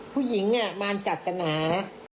ผู้หญิงมารศาสนา